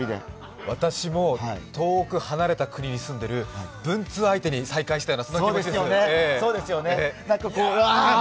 私も遠く離れた国に住んでる文通相手に再会したような気持ちです。